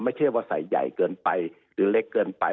ไม่ใช่ว่าใส่ใหญ่เกินไปหรือเล็กเกินไป